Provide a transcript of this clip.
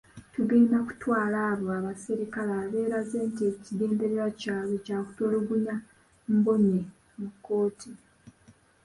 Tugenda kutwala abo abasirikale abeeraze nti ekigenderwa kyabwe kyatulugunya Mbonye mu kooti.